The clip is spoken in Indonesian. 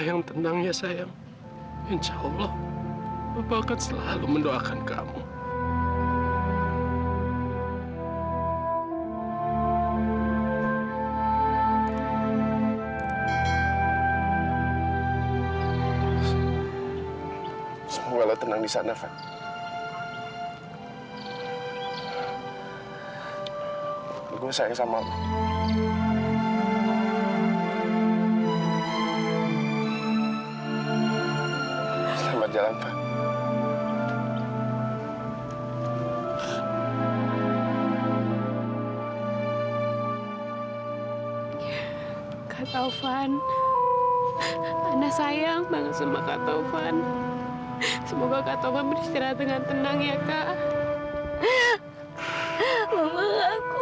sebenarnya mama males ketemu keluarga mereka